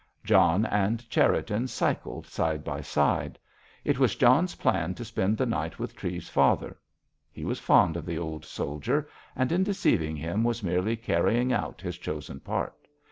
John and Cherriton cycled side by side. It was John's plan to spend the night with Treves's father. He was fond of the old soldier, and in deceiving him was merely carrying out his chosen part.